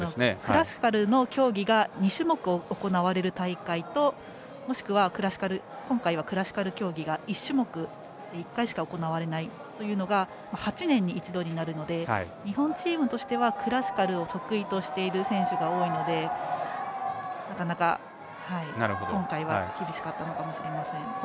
クラシカルの競技が２種目行われる大会ともしくは今回はクラシカル競技が１回しか行われないというのが８年に一度になるので日本チームとしてはクラシカルを得意としている選手が多いのでなかなか今回は厳しかったのかもしれません。